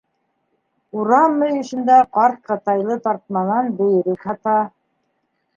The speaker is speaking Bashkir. Урам мөйөшөндә ҡарт ҡытайлы тартманан бөйөрөк һата.